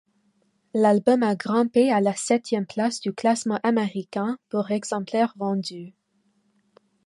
L'album a grimpé à la septième place du classement américain pour exemplaires vendus.